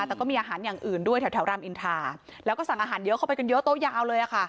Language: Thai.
แต่ก็มีอาหารอย่างอื่นด้วยแถวรามอินทาแล้วก็สั่งอาหารเยอะเข้าไปกันเยอะโต๊ะยาวเลย